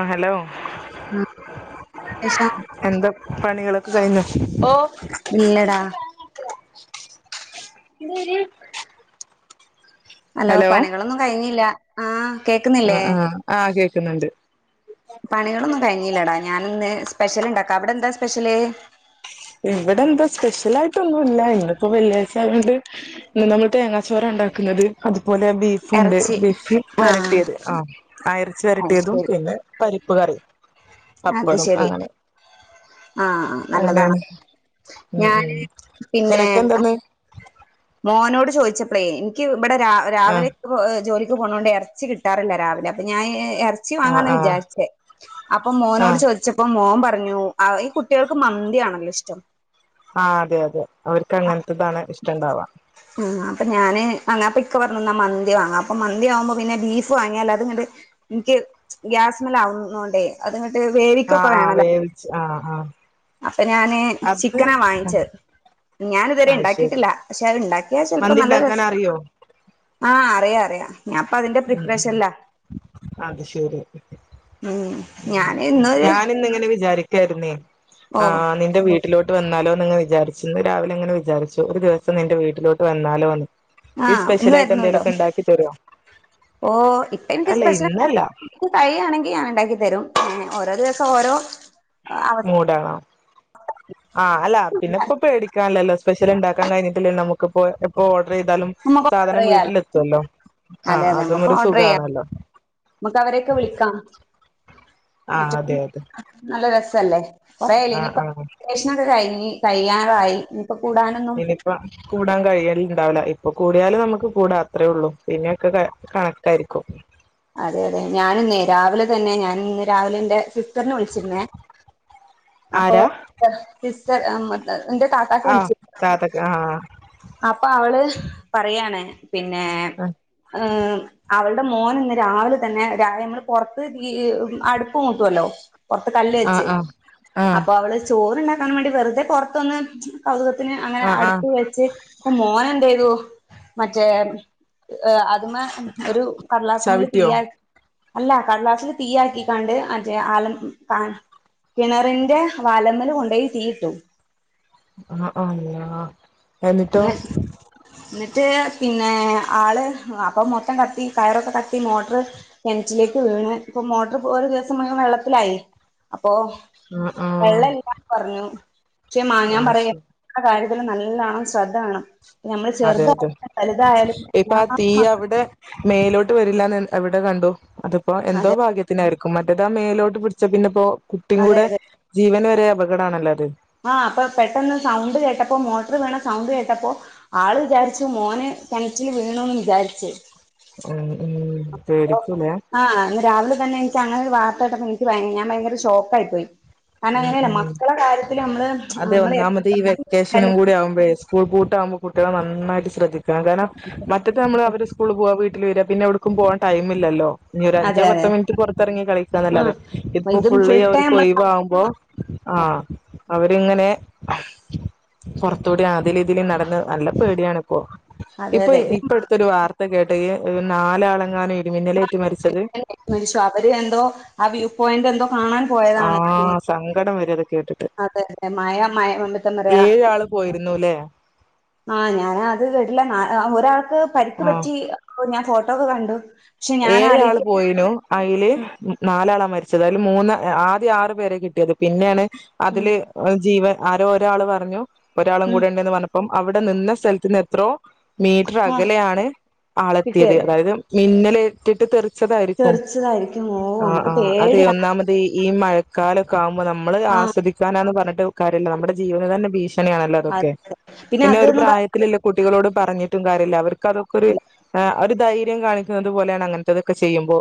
ആഹ് hello ആഹ് വിശേഷം എന്താ പണികളൊക്കെ കൈഞ്ഞോ ഇല്ലട [unintelligible] അലൊ ഹലോ പണികളൊന്നും കഴിഞ്ഞില്ല ആഹ് ആ കേക്കുന്നില്ലേ ആഹ് ആഹ കേക്ക്‌ന്ന്ണ്ട് പണികളൊന്നും കഴിഞ്ഞില്ലടാ ഞാനിന്ന് സ്പെഷ്യല്ണ്ടാക്കാ അവിടെന്താ സ്പെഷ്യല് ഇവിടെന്താ സ്പെഷ്യലായിട്ടൊന്നും ഇല്ല ഇന്നിപ്പോ വെള്ളിയാഴ്ച ആയൊണ്ട് ഇന്ന് നമ്മ തേങ്ങാച്ചോറ ഇണ്ടാക്ന്നത് അതുപോലെ ബീഫുണ്ട് ഇറച്ചി ബീഫ് ആഹ് വരട്ടിയത് ആ ആഹ് ഏറച്ചി അത് വരട്ടിയതും ശരി പിന്നെ പരിപ്പ് കറി പപ്പടും അങ്ങനെ ആഹ നല്ലതാണ് അങ്ങനെയാണ് ഉം ഉം ഞാന് പിന്നെ നിനക്കെന്താന്ന് മോനോട് ചോയ്‌ചപ്പളേ ഇനിക്ക് ഇവിടെ ആ രാവിലെ ജോലിക്ക് പോണോണ്ട് എറചി കിട്ടാറില്ല രാവിലെ അപ്പൊ ഞാന് എ ച്ചി ആ വാങ്ങന്നാ ആ വിചാരിച്ചേ അപ്പൊ ആ മോനോട് ചോദിച്ച പ്പം മോൻ പറഞ്ഞു ആ ഈ കുട്ട്യാൾക്ക് മന്തിയാണല്ലോ ഇഷ്ടം ആ അതെ അതെ അവർക്ക് അങ്ങനത്തെതാണ് ഇഷ്ടണ്ടാവ ആ അപ്പ ഞാന് അപ്പൊ ഇക്ക പറഞ്ഞ് മന്തി വാങ്ങാം അപ്പം മന്തി ആവുമ്പ പിന്നെ ബീഫ് വാങ്ങിയാൽ അത്ങ്ങട്ട് ഇനിക്ക് ഗ്യാസ്മൽ ആവുന്നോണ്ടേ അത്ങ്ങട്ട് ആ വേവിക്കൊക്കെ ആ വേണല്ലോ. വേവിച്ച് ആ ആ അപ്പൊ ഞാന് അത് ചിക്കനാ വാങ്ങിച്ചത് ഞാനിത് വരെ അത് ശരി ഇണ്ടാക്കിട്ടില്ല ക്ഷെ അത് ഇണ്ടാക്കിയാ ചെൽപോ മന്തി നല്ല ഉണ്ടാക്കാൻ രസ അറിയോ ആഹ് അറിയ അറിയാ ഞാൻപ്പ അതിന്റെ ഉം പ്രിപ്പറേഷനിലാ അത് ശരി ഉം ഞാന് ഇന്നൊരു ഞാനിന്നിങ്ങനെ വിചാരിക്കാര്ന്നേ ഓ ആഹ് നിന്റെ വീട് വീട്ടിലോട്ട് വന്നാലോ ന്ന്ങ്ങനെ വിചാരിച്ചു ഇന്ന് രാവിലെങ്ങനെ വിചാരിച്ചു ഒരു ദിവസം നിന്റെ വീട്ടിലോട്ട് വന്നാലോന്ന്. ഈ ആഹ് ഇന്ന് സ്പെഷ്യലായിട്ട്ന്തേ വരുന്നുണ്ടോ ങ്കലൊക്കെണ്ടാക്കി തരൊ ഓ ഇപ്പ ഇൻക്ക് സ്പെഷ്യൽ ണ്ടാ ഇന്നല്ല ഇനിക്ക് കഴിയയാണെങ്കി ഞാൻ ഉണ്ടാക്കി തരും ഓരോ ദിവസം ഓരോ അവ മൂടണോ ആ അല്ല പിന്നെ പേടി സ്പെഷ്യൽ ഉള ഇണ്ടാക്കാൻഴിഞ്ഞിട്ടല്ലോ നമ്മുക്കിപ്പോ എപ്പോഓർഡർ ചെയ്താലും നമുക്ക് ഓർഡർ സാധനം ചെയ്യാലോ വീട്ടിലെത്തുല്ലോ ആ അതൊന്നരു സുഖണല്ലോ നമ്മുക്ക് അവരെയൊക്കെ വിളിക്കാം ആ മറ്റത് അതെ അതെ നല്ല രസല്ലേ കൊറെയായില്ലേ ആഹ് ഇനിയിപ്പ ആഹ് ഡിറ്റേഷൻ കയിഞ് കയ്യാറായി ഇനിപ്പ കൂടാൻ കഴിയല്ല ഉണ്ടാവില്ല ഇപ്പൊ കൂടിയാലും നമുക്ക് കൂടാം അത്രേ ഉള്ളൂ പിന്നെയൊക്കെ കണക്കായിരിക്കും അതെ അതെ ഞാന ഇന്നേ രാവിലെ തന്നെ ഞാൻ ഇന്ന് രാവിലെ എൻറെ സിസ്റ്ററിനെ വിളിച്ചിരുന്നേ അപ്പൊ ആരാ എന്റെ [unintelligible] ആഹ് ജാതക ആ അപ്പൊ അവള് പറയാണ് പിന്നെ ആഹ് ഏ അവളുടെ മോൻ ഇന്ന് രാവിലെ തന്നെ രവിലെനമ്മൾ പുറത്ത് അടുപ്പ് മൂട്ടുവല്ലോ പുറത്ത് കല്ല് വെച്ച് ആഹ് ആഹ് അപ്പോ അവള് ചോറ്ണ്ടാക്കാൻ വേണ്ടി വെറുതെ പെറത്തുനിന്ന് കൗതുകത്തിന് അങ്ങനെ ആഹ് ആഹ് അടുപ്പ് വെച്ച് അപ്പോ മോൻ എന്ത ചെയ്തു മറ്റേഅതി മോ ഒരു കടലാസ്മോ തീ ചവിട്ടിയോ ആയിട്ട് അല്ല കടലാസില് തീ ആക്കി കണ്ട് അതെ ആലം കാ കിണറിന്റെ വലമൽകൊണ്ടയിതീ ഇട്ടു ആ അ അള്ളാ മ എന്നിട്ടോ എന്നിട്ട് പിന്നെ ആള് അപ്പം മൊത്തം കത്തി കയറൊക്കെ കത്തി മോട്ടർ കീണറ്റിലേക്ക് വീണ്ഇപ്പ മോട്ടർ ഒരു ദിവസം മുവെള്ളത്തിലായി അപ്പൊ ആഹ് ആഹ് വെള്ളംല്ലന്ന് പറഞ്ഞുേ മാ ഞാൻ അത് പറയാ ശരി ആ കാര്യത്തില് നല്ലണം ശ്രദ്ധ വേണം നമ്മൾ അതെ അതെ ചെറുതായാലും വലുതായാലും ഇപ്പൊ എല്ലാ ആ തീ മക്കളും അവിടെ മേലോട്ട് വരില്ലന്ന് അവിടെ കണ്ടു അതിപ്പോ എന്തോ അതെ ഭാഗ്യ എല്ലാർക്കും മറ്റേതാ മേലോട്ട് പിടിച്ച പിന്നെ ഇപ്പോ കുട്ടിയും അതെ കൂടെ അതെ ജീവൻ വരെ അപകടമാണല്ലോ അത് ആ അപ്പൊ പെട്ടെന്ന് സൗണ്ട് കേട്ടപ്പോ മോട്ടർ വീണാസൗണ്ട് കേട്ടപ്പോ ആള് വിചാരിച്ചു മോൻ കിണറ്റിൽ വീണന്ന് വിചാരിച്ചു ഉം ഉം ചെറിപ്പ് ഇല്ലാ ആരാവിലെ തന്നെ ഇൻക്ക് അങ്ങന ഒരു വാർത്തകോട്ടപ്പാ ഇനിക്ക് ഭയങ്കര ഷോക്കാ ആായി പോയി ഉം അങ്ങനെയല്ല ഉം മക്കളെ കര്യത്തിൽ അതെ നമ്മള് ഒന്നാമത് ഈ എത്ര വെക്കേഷനും കൂടി സ്കൂൾ പൂട്ട് ആകുമ്പോ കുട്ടിളാ നന്നായിട്ട് ശ്രദ്ധിക്കണം കാരണം മറ്റേ നമ്മള് അവരെ സ്കൂള് പോകൻ വീട്ട് വരാ പിന്നെ എവിടുക്കും പോവാൻ ടൈം മില്ലല്ലോ ഇനി ഒ ഒരു അതെ അഞ്ചോ അതെ പത്തോ മിനിറ്റ് പുറത്തിറങ്ങി ഉം കളിക്കാന്നല്ലാതെ ഇപ്പൊ ഇതും ഫുൾ ടൈം ഫുള്ള്അവർക്ക് നമ്മള് ഒഴിവാക്കും അപ്പോ ആ അവരിങ്ങനെ പുറത്തുകൂടി ആതിൽ ഇതിലും നടന്ന് നല്ല പേടിയണിപ്പോ അതെ ഇപ്പൊ അതെ ഇപ്പടുത്തരു വാർത്ത ഇന്ന് കേട്ടത് നാലാളെങ്ങാന ഇടിമിന്നലേറ്റി മരിച്ചത് മരിച്ചു അവര്എന്തോ ആ വ്യൂ പോയിന്റ് എന്തോ കാണാൻ ആ പോയതാണ്. സങ്കടം വെരാ അത് കേട്ടിട്ട് അതെ അതെ മഴ മഴ വന്നിട്ട് പറയാ ഏഴാള് പോയിരുന്നുല്ലേ ആ ഞാന ആദ്യം കേട്ടില്ല ഒരാൾക്ക് പരിക്ക് ആഹ് പറ്റി അപ്പോ ഞാൻ ഫോട്ടോ ഒക്കെ കണ്ടു പക്ഷെ ഞാൻ ഏഴ് ആള് ആലോചിക്ക പോയിലോ അയില് ഉം നാലാളാണ് മരിച്ചത് അതില് മൂന്ന് ആദ്യ ആറു പേരെ കിട്ടിയത് പിന്നെയാണ് അതിൽ ഉം ഒരു ജീവൻആരോ ഒരാള് പറഞ്ഞു ഒരാളും ഉം കൂടെ ഉണ്ടന്ന് പറഞ്ഞ അപ്പം അവിടെ നിന്ന സ്ഥലത്ത നിന്ന് എത്രോ മീറ്റർ ആഹ് അകലെയാണ് ആളെത്തിയത് കിട്ടിയത് അതായത് മിന്നല ഏറ്റിട്ട് തെറിച്ചതായിരിക്കും ചെറിച്ചതായിരിക്കും ഓ ആ നമുക്ക് ആ അതെ പേടിയാണ് ഒന്നാമത്ത പ്പഹ ഈ മഴക്കാലൊക്കെ ആവുമ്പോ നമ്മൾ ആ ആശ്വദിക്കാന എന്ന് പറഞ്ഞിട്ട് കാര്യല്യ നമ്മുടെ ജീവൻ തന്നെ ഭീഷ നെണല്ലോ അതൊക്കെ അതെ പിന്നെ ഒരു അത്ന്ന് പറഞ്ഞ അതെ പ്രായത്തിലില്ല കുട്ടികളോട് പറഞ്ഞിട്ടും കാര്യല്ല അവ അവർക്ക അതൊക്കെ ഒര് ഹെ ഒരു ധൈര്യം കാണിക്കുന്നത് പോലെയാണ് അങ്ങനത്തെതൊക്കെ ചെയ്യുമ്പോൾ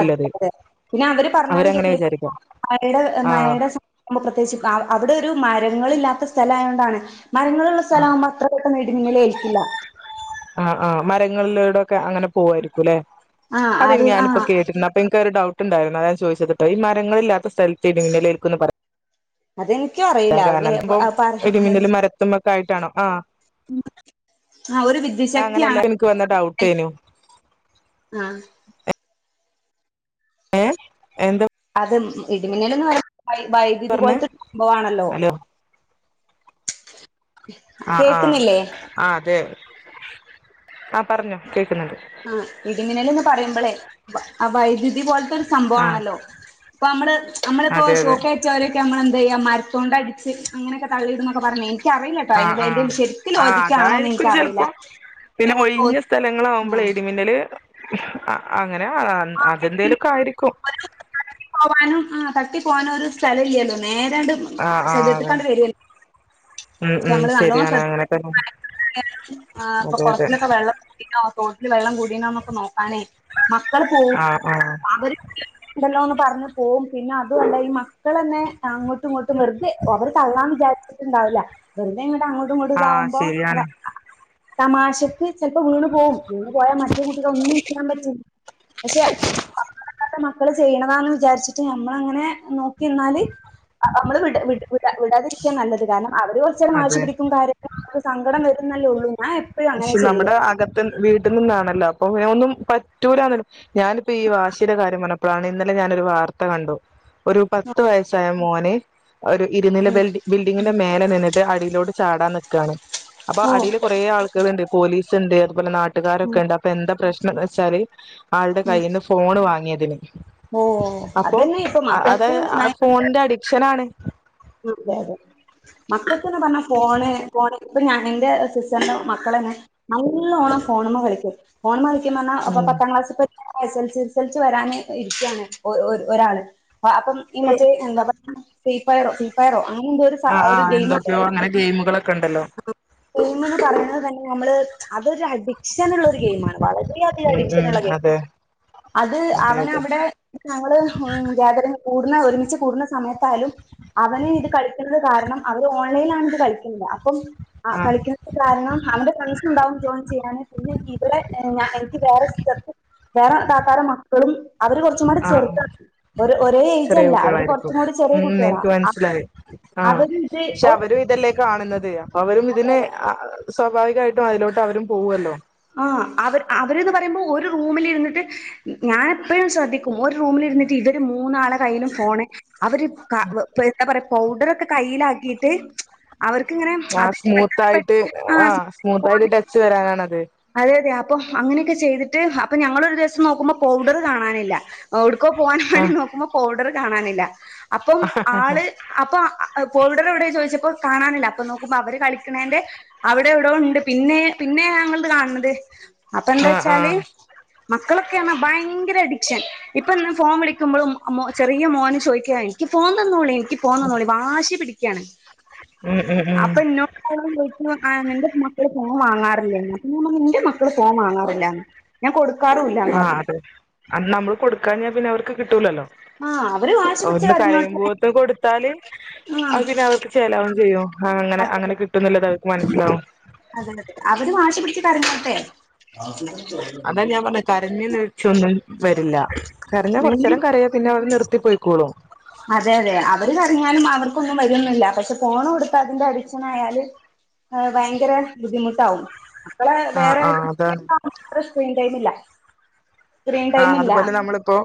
അതെ അതെ പിന്നെ അവര് പറഞാണും അവരങ്ങനെ കേക്കില്ല വിചാരിക്കാം മഴയുടെ മാഴ ആഹ് യുടെ സ ആഉമ്പ പ്രത്യേകിച്ച് അ അവിടെ ഒരു മരങ്ങൾ ഇല്ലാത്ത സ്ഥലം ആയോണ്ടാണ് മരങ്ങൾള്ളസ്ഥലം ആഉമ്പം അത്ര പെട്ടന്ന് ഇടിമിന്നൽ ഏൽക്കില്ല. ആഹ് ആഹ് മരങ്ങളിലൂടൊക്കെ അങ്ങനെ പോവായിരിക്കു ല്ലെ ആ അതെ അത് ആ ഞാനിപ്പോ കേട്ടിരുന്നു അപ്പൊ എനിക്കൊരു ഡൗട്ട് ട്ട് ണ്ടായിരുന്നു അതാ ഞാൻ ചോദിച്ചത് ട്ടോ. ഈ മരങ്ങളില്ലാത്ത സ്ഥലത്ത് ഇടിമിന്നൽ ഏൽക്കുംന്ന് പറ അതെനിക്കും അറിയില്ല അത് പിന്നെ സംഭവം പറ ഇടിമിന്നൽ മരത്തുമ്മൊക്കെ ആയിട്ടാണോ ആഹ് [unintelligible] ആ ഒരു അങ്ങനെയല്ല വിദ്യശക്തിയാണ് എനിക്ക് വന്ന എൽ ഡൗട്ടേനു ആഹ ഏഹ് എന്താ അത് ഇടിമിന്നൽ എന്ന് പറഞാ വൈദ്യതി പറഞ്ഞേ പോലത്തെ സംഭവമാണല്ലോ ഹലോ ആഹ ആഹ കേക്കുന്നില്ലേ ആ അതെ ആഹ പറഞ്ഞോ കേൾക്കുന്നുണ്ട് ആഹ ഇടിമിന്നൽ എന്ന് പറയുമ്പളേ വ വൈദ്യുതി പോല ത്തഒരു സംഭവം ആഹ് ആണല്ലോ പ്പം അമ്മള് അമ്മളിപ്പോ അതെ അതെ ഷോക്കേ ചോരൊക്കെ നമ്മൾ എന്ത് ചെയ്യ മരത്തോണ്ട അടിച്ച് അങ്ങനൊക്കെ തള്ളിടും എന്നൊക്കെ പറഞ്ഞി ക്കിഅറിയില്ല ആഹ് ആഹ് ട്ടോ [unintelligible] ശരിക്കും ആഹ് ലോജിക്കാണോന്ന് അതായിരിക്കും എനിക്കറിയില്ല ചെലപ്പോ പിന്നെ ഒഴിഞ്ഞ സ്ഥലങ്ങളാആവുമ്പോളെ ആ ഇടിമിന്നൽ ഹി അങ്ങനെ [unintelligible] ഉം അതെന്തേലുമൊക്കെ ആയിരിക്കും ആ തട്ടി പോവാനും ആഹ് തട്ടി പോവാനോ ഒരു സ്ഥലം ഇല്യല്ലോ നേരണ്ട് ഉം ആഹ് ആഹ് അതെ ശരീരത്തിക്കാണ്ട് വെരല്ലേ ഉം ഉം ശരിയാണ് അങ്ങനൊക്ക തന്ന ആഹ് പ്പൊ കുളത്തിലൊക്കെ വെള്ളം [unintelligible] തോട്ടില് വെള്ളം കൂടീണോന്നൊക്കെ നോക്കാനേ മക്കൾ പോവും ആഹ് ആഹ് അവര് ഉണ്ടല്ലോന്ന് പറഞ്ഞ് പോവും പിന്നെ അതുമല്ല ഈ മ മക്കള എന്നെ അങ്ങോട്ടും ഇങ്ങോട്ടും വെർതെ അവർ തള്ളാൻ വിചാരിച്ചിട്ടുണ്ടാവില്ല വെർതെ ഇങ്ങട്ട് അങ്ങോട്ടും [unintelligible] ആഹ് താവുമ്പോ അവ ശരിയാണ് തമാശക്ക് ച്ചെൽപ്പം വീണ് പോവും വീണ് പോയാൽ മറ്റു കുട്ടികൾ ഒന്നും [unintelligible] പറ്റില്ല പക്ഷെ ച്ചെ പറഞ്ഞാ കേക്കാത്ത മക്കള് ചെയ്യണതാന്ന് വിചാരിച്ചിട്ട് നമ്മള അങ്ങനെ നോക്കിന്നാല് അ അമ്മള് വിട വിട വിട വിടാതിരിക്കാ നല്ലത് കാരണം അവര് ച്ചൊരു മാശി അതെ പിടിക്കും കാര്യക്ക് സങ്കടം വരുന്നല്ലേ ഉള്ളൂ ഞാൻ എപ്പഴും അങ്ങനെ പക്ഷെ ചെയ്യല് നമ്മുടെ അകത്ത് വീട്ടിൽ നിന്നാണല്ലോ അപ്പൊ വേം ഒന്നും പറ്റൂലന്ന ഞാനിപ്പോ ഈ വാശിയുടെ കാര്യം പറഞ്ഞപ്പോഴാണ് ഇന്നലെ ഞാനൊരു വാർത്ത കണ്ടു ഒരു പത്ത് വയസ്സായ മോൻ ഒരു ഉം ഇരുനിലബൽടി ബിൽഡിങ്ങിന്റെ മേലെ നിന്നിട്ട് അടിയിലോട് ചാടാൻ നിക്കാണ് അപ്പൊ ഓ അടിയിൽ കുറേ ആൾ കൾ ണ്ട് പോലീസ്ണ്ട് അതുപോലെ ഉം നാട്ടുകാരൊക്കെ ഇണ്ട് അപ്പൊ എന്ത പ്രശ്നം എന്ന് വെച്ചാല് ആളുടെ ഉം കയ്യിന്ന് ഫോ ഫോണ് വാങ്ങിയതിന് ഓ അപ്പോ അതന്നെ ഇപ്പൊ അത് മക്കൾക്ക് ആഹ് ഭയ ഫോണിന്റെ അഡിക്ഷനാണ്. അതെ അതെ മക്കക്ക്ന്ന് പറഞ്ഞ ഫോണ് ഫോണ് ഇപ്പ ഞാൻ എന്റെ സിസ്റ്ററിന്റെ മക്കൾ തന്നെ നല്ലോണം ഫോണ്മ്മ കളിക്കും ഫോണമ്മ കളിക്കും പറഞാ ഇപ്പൊ ഉം പത്താം ക്ലാസ്സിത്തെ എസ് എൽ എസ് എൽ സ് വരാനൻ ഇരിക്കാണ് ഒര് ഒര് ഒരാള് ആഹ് അപ്പം ഈ മറ്റേ എന്താ പറയാ ഫ്രീ ഫയറോ ഫീ ഫയറോ അങ്ങനെന്തോര് ആഹ് ആഹ് എന്തൊക്കെയോ അങ്ങനെ ഗെയിമുകളൊക്കെ ഉണ്ടല്ലോ ഗെയിമ് ന്ന് പറയണത് തന്നെ നമ്മള് അതൊരു അടി ഡിക്ഷൻ ഉള്ള ഒരു ഗെയിമാണ് വളരെയധികം ഉം അഡിക്ഷൻ ഉം ഉള്ള ഗെയി അതെ അത് അതെ അവന അതെ അവിടെ ഞങ്ങൾ ഉം ഗാതറി കൂടുന്ന ഒരുമിച്ച് കൂടുന്ന സമയത്താലും അവൻ ഇത് കളിക്കുന്നത് കാരണം അവര് ഓൺലൈലാണ് ഇത് കളിക്കുന്നത് അപ്പം അ ആ കളിക്ക കാരണം അവന്റെ ഫ്രണ്ട്സ് ഉണ്ടാവും ജോയിൻ ചെയ്യാന് പിന്നെ ഇവിടെ ഞാ എനിക്ക് വേറെ സ്റ്റെപ്പ് വേറെ താത്താരെ മക്കളും അവര് കെർച്ചുമ്പാടെ ആഹ് ആഹ് ചെർതാണ്. ഒര് ഒരേ ഏജെല്ല അവര് കെർറച്ചുംകൂടി ചെറിയെ കുട്ട്യാളാ. പുള്ളാര് ആഹ് ക്ഷേ അവരും ഇതെല്ലെ കാണുന്നത് അപ്പൊ അവരും ഇതിന് അ സ്വാഭാവികായിട്ടും അയിലോട്ട് അവരും പോവൊല്ലോ. ആഹ് അവര് അവര്ന്ന് പറയുമ്പോ ഒരു റൂമിലിരുന്നിട്ട്. ഞാനെപ്പഴും ശ്രദ്ധിക്കും ഒരു റൂമിലിരുന്നിട്ട് ഇവര് മൂന്നാളെ കയ്യിലും ഫോണ്. അവര് ക എന്താ പറയാ പൗഡറെക്കെ കയ്യിലാക്കിയിട്ട്. അവർക്കിങ്ങനെ. ആഹ് അത് പെട്ടെന്ന് സ്മൂത്തായിട്ട് പെട്ടെന്ന് ആഹ് സ്മൂത്തായിട്ട് ടച്ച് വരാനാണത് അതെ അതെ അപ്പൊ അങ്ങനെയൊക്കെ ചെയ്തിട്ട് അപ്പൊ ഞങ്ങളൊരു ദിവസം നോക്കുമ്പോ പൗഡറ് കാണാനില്ല ഓട്ക്കോ പോവാനും വേണ്ടി ആഹ് നോക്കുമ്പോ ഫൗഡറ് കാണാനില്ല അപ്പം ആള്. അപ്പോ അ പൗഡറവിടെ ചോദിച്ചപ്പേ കാണാനില്ല അപ്പൊ നോക്കുമ്പോ അവര് കളിക്കണേന്റെ. അവിടെവിടോണ്ട് പിന്നെ പിന്നെ ഞങ്ങളിത് കാണ് ണത് ആഹ് അപ്പന്താച്ചാല്. ആഹ് മക്കളൊക്കെർഞ്ഞാ ഭയങ്കര അഡിക്ഷൻ. ഇപ്പൊന്ന് ഫോൺ വിളിക്കുമ്പളും അ മോ ചെറിയ മോന് ചോദിക്കാ ൻക്ക് ഫോൺ തന്നോളിം ൻക്ക് ഫോൺ തന്നോളിം വാശി പിടിക്കാണ് ഉം ഉം ഉം അപ്പന്നോ [unintelligible] ന്റെ മക്കള് ഫോൺ വാങ്ങാറില്ലേന്ന് ഞാൻ പറഞ്ഞു ൻ്റെ മക്കള് ഫോൺ വാങ്ങാറില്ലാന്ന് ഞാൻ കൊടുക്കാറുല്ലാ. ആഹ് അതെ അന്നാമ്മള് കൊടുക്കാഞ്ഞാ പിന്നവർക്ക് കിട്ടൂലല്ലോ. ആ അവര് വാശി പിടിച്ച് ഒന്ന് കരഞ്ഞോട്ടെ കരയുമ്പേത്തിന് കൊടുത്താല് ആ അഹ് പിന്നെ അവർക്ക്. ചേലാവും ചെയ്യും അങ്ങനെ അതെ അങ്ങനെ കിട്ടുന്നുള്ളത് അവർക്ക് മനസ്സിലാവും. അതെ അതെ അവര് വാശി പിടിച്ച് കരഞ്ഞേട്ടെ. [unintelligible] അതാ ഞാൻ പറഞ്ഞത് കരഞ്ഞ് നീച്ചൊന്നും വരില്ല. കരഞ്ഞാ നിങ്ങള് കൊർച്ചേരാം കരയും പിന്നെ അവര് നിർത്തി പോയ്ക്കോളും അതെ അതെ അവര് കരഞ്ഞാലും അവർക്കൊന്നും വരൊന്നുല്ല. പക്ഷേ ഫോൺ കൊടുത്ത് അതിന്റെ അടിക്ഷനായാല്. [inaudible] ഭയങ്കെരെ ബുദ്ധിമുട്ടാവും അപ്പള് ആഹ് വേറെ ആഹ് അതാണ് സ്ക്രീൻ ടൈമില്ല. സ്ക്രീൻ ആഹ് ടൈമില്ല അതുപോലെ നമ്മളിപ്പോ.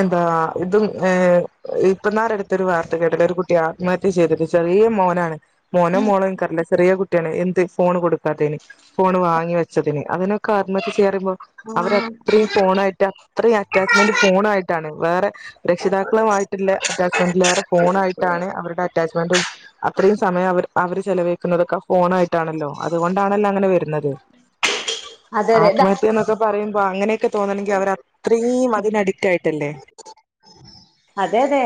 എന്താ ഇതും ഏഹ് ഇപ്പന്നാരെ അടുത്തൊരു വാർത്ത കേട്ടില്ലെ ഒരു കുട്ടി ആത് മഹത്യ ചെയ്തത് ചെറിയെ മോനാണ്. മോനോ മോളോ ൻകറിയില്ല ചെറിയെ കുട്ടിയാണ് എന്ത് ഫോണ് കൊടുക്കാത്തെയിന് ഫോണ് വാങ്ങി വെച്ചതിന് അതിന് ക്കാത്മഹത്യ ചെയ്യാന്നറിയുമ്പോ ആ അവരത്രയും ഫേണായ് റ്റ അത്രയും അറ്റാച്ച്മെന്റ് ഫോണായിട്ടാണ് വേറെ. രക്ഷിതാക്കളുയിട്ടുള്ള അറ്റാച്ച്മെന്റിലേറെ ഫോണാ യിട്ടാണ് അവരുടെ അറ്റാച്ച്മെന്റും. അത്രയും സമയം അവര് അവര് ചെലവയിക്കുന്നതൊക്കെ ഫോണായിട്ടാണല്ലോ. അതുകൊണ്ടാണല്ലോ അങ്ങനെ വരു ന്നത് അതെ അതെ ദാ ആത്മഹത്യന്നൊക്കെ പറയുമ്പോ അങ്ങനെയൊക്കെ തോന്നണെങ്കിൽ അവര ത്രീം അതിനഡിക്റ്റായിട്ടല്ലെ. അതെ അതെ.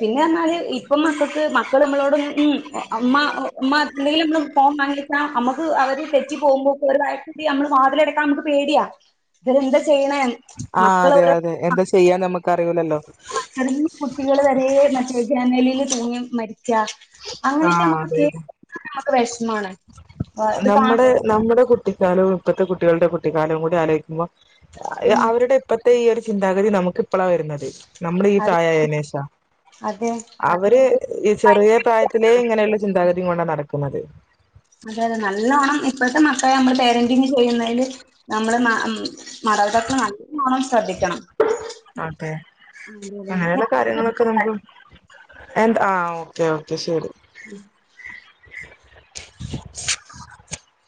പിന്നെന്നർഞ്ഞാല് ഇപ്പം മക്കൾക്ക് മക്കൾ മ്മളോട് ഉം അ മ്മ ഉമ്മ ന്തേലും നമ്മള് ഫോൺ കാണേൽ താ അമ്മക്ക് അവര് തെറ്റി പോകുമ്പോക്ക് [unintelligible] വാതിലടക്കാൻ മ്മക്ക് പേടിയാ. ഇവരെന്താ ചെയ്യണെ. ആഹ് അതെ അതെ എന്താ ചെയ്യാന്ന് നമ്മക്ക് അറിയൂലല്ലേ. ചെറിയ കുട്ടികള് വരേ മറ്റെ ജാനലില് തൂങ്ങി മരിച്ചാ ആ അങ്ങനൊക്കെ മ്മക്ക് അതെ കേക്ക്ണതന്നെ നമ്മക്ക് വെഷ്മാണ്. നമ്മടെ നമ്മടെ കുട്ടിക്കാലവും ഇപ്പത്തെ കുട്ടികളുടെ കുട്ടിക്കാലവും കൂടെ ആലോയ്ക്കുമ്പോ ഉം അവരുടെ ഇപ്പഴത്തെ ഈ ഒരു ചിന്താഗതി നമുക്ക് ഇപ്പളാ വരുന്നത്. അതെ നമ്മളീപ്രായായെ നേശ അതെ ആൾ ഇവര് ചെറിയ ഭയങ്കര പ്രായത്തിലേ ഇങ്ങനെയുള്ള ചിന്താഗതിയും കൊണ്ടാ നടക്ക്ണത്. അതെ അതെ നല്ലോണം ഇപ്പഴത്തെ മക്കളെ നമ്മള് പേരന്റിങ് ചെയ്യുന്നതില് നമ്മള് മ മാതാപിതാക്കൾ നല്ലോണം ശ്രദ്ധിക്കണം ഓക്കേ അതെ അങ്ങനാ [unintelligible] ണ്ട്. അതെ കാര്യങ്ങളൊക്കെ നമക്ക് എന്താ ആഹ് ഓക്കേ ഓക്കേ ശരി ഉം